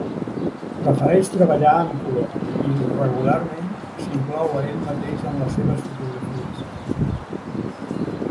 Prefereix treballar en color i, regularment, s'inclou a ell mateix en les seves fotografies.